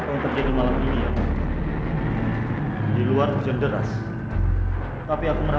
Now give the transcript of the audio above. sampai jumpa di video selanjutnya